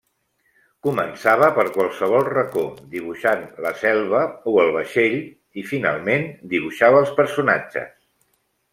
Començava per qualsevol racó dibuixant la selva o el vaixell i, finalment, dibuixava els personatges.